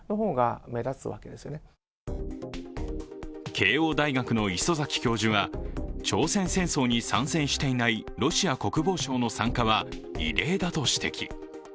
慶応大学の礒崎教授は朝鮮戦争に参戦していないロシア国防相の参加は異例だと指摘。